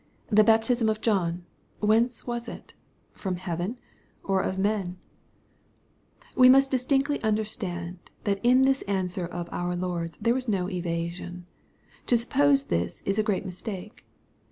The baptism of John, whence was it ? from heaven or of men ?" We must distinctly understand, that in this answer of our Lord's there was no evasion. To suppose this is a great mistake.